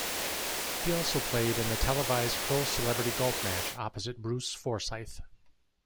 He also played in a televised pro-celebrity golf match opposite Bruce Forsyth.